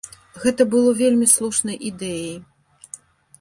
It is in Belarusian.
Гэта было вельмі слушнай ідэяй.